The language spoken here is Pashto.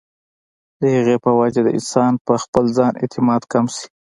د هغې پۀ وجه د انسان پۀ خپل ځان اعتماد کم شي